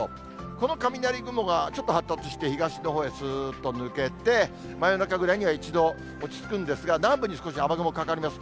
この雷雲がちょっと発達して、東のほうへすーっと抜けて、真夜中ぐらいには一度落ち着くんですが、南部に少し雨雲かかります。